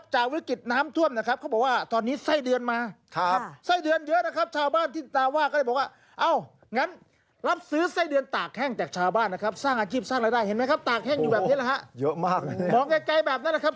หมองใกล้แบบนั้นไส้เดือนตัวใหญ่มากนะครับ